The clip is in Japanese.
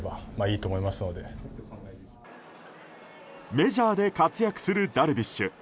メジャーで活躍するダルビッシュ。